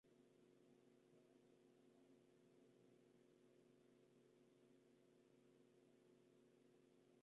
No es utilizable en absoluto en sistemas embebidos sin soporte de almacenamiento.